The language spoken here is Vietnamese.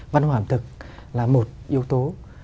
văn hóa ẩm thực là một yếu tố